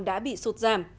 đã bị sụt giảm